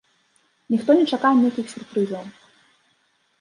Ніхто не чакае нейкіх сюрпрызаў.